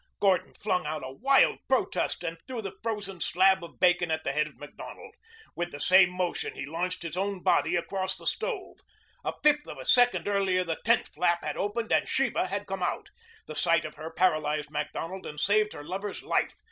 Gordon flung out a wild protest and threw the frozen slab of bacon at the head of Macdonald. With the same motion he launched his own body across the stove. A fifth of a second earlier the tent flap had opened and Sheba had come out. The sight of her paralyzed Macdonald and saved her lover's life.